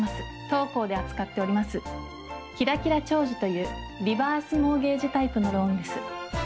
当行で扱っております「キラキラ長寿」というリバースモーゲージタイプのローンです。